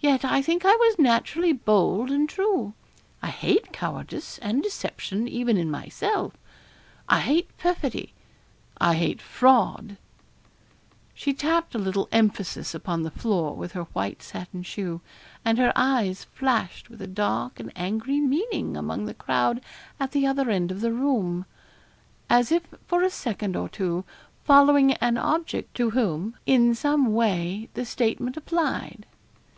Yet I think I was naturally bold and true. I hate cowardice and deception even in myself I hate perfidy I hate fraud.' She tapped a little emphasis upon the floor with her white satin shoe, and her eyes flashed with a dark and angry meaning among the crowd at the other end of the room, as if for a second or two following an object to whom in some way the statement applied.